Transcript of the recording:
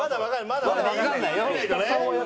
まだわかんない。